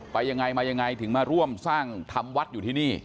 ไปยังไงมายังไงถึงมาร่วมสร้างทำวัดอยู่ที่นี่